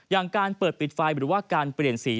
อย่างการเปิดปิดไฟหรือว่าการเปลี่ยนสี